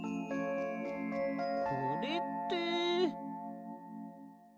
これって？